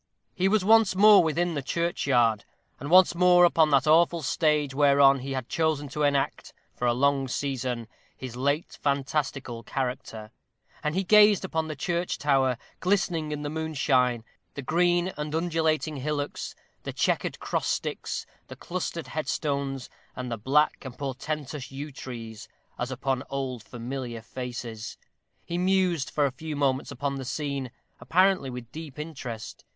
He was once more within the churchyard; once more upon that awful stage whereon he had chosen to enact, for a long season, his late fantastical character; and he gazed upon the church tower, glistening in the moonshine, the green and undulating hillocks, the "chequered cross sticks," the clustered headstones, and the black and portentous yew trees, as upon "old familiar faces." He mused, for a few moments, upon the scene, apparently with deep interest.